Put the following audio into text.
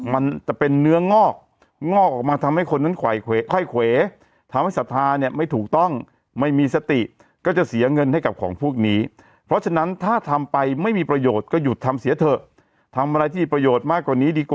มันจะเป็นเนื้องอกงอกออกมาทำให้คนนั้นไข่เขวทำให้สัทธาเนี่ยไม่ถูกต้อง